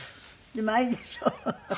でもあれでしょ。